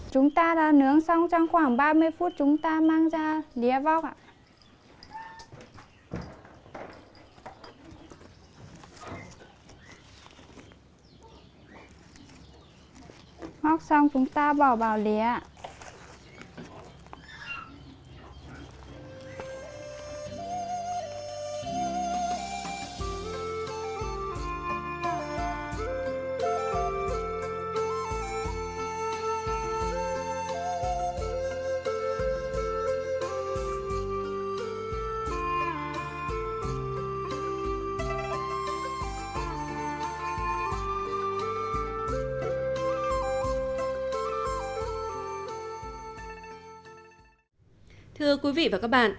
chúng ta đã nướng xong trong khoảng ba mươi phút chúng ta mang ra đĩa vóc